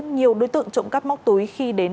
nhiều đối tượng trộm cắp móc túi khi đến